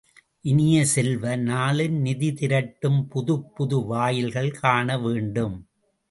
இனிய செல்வ, நாளும் நிதி திரட்டும் புதுப்புது வாயில்கள் காணவேண்டும்.